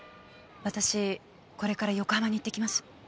私これから横浜に行ってきます。